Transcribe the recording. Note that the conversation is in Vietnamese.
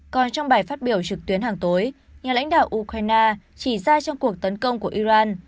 còn trong bài phát biểu trực tuyến hàng tối nhà lãnh đạo ukraine chỉ ra trong cuộc tấn công của iran